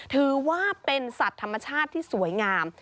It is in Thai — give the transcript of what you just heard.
ถือว่าเป็นสัตว์ธรรมชาติที่สวยงาม